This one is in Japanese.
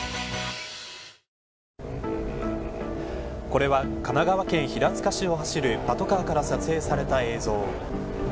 これは神奈川県平塚市を走るパトカーから撮影された映像。